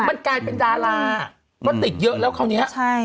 มันกลายเป็นดาราก็ติดเยอะแล้วคราวนี้ใช่